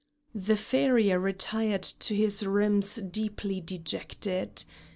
The farrier retired to his rooms deeply dejected.